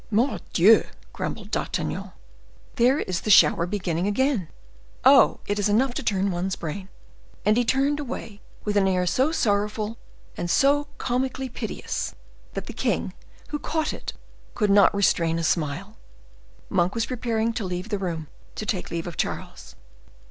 "Mordioux!" grumbled D'Artagnan, "there is the shower beginning again! Oh! it is enough to turn one's brain!" and he turned away with an air so sorrowful and so comically piteous, that the king, who caught it, could not restrain a smile. Monk was preparing to leave the room, to take leave of Charles.